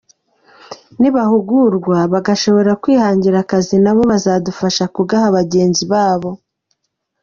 Nibahugurwa bagashobora kwihangira akazi nabo bazadufasha kugaha bagenzi babo.